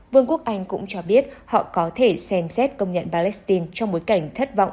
vương quốc anh cũng cho biết họ có thể xem xét công nhận palestine trong bối cảnh thất vọng